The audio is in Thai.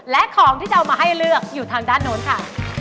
และของที่จะเอามาให้เลือกอยู่ทางด้านโน้นค่ะ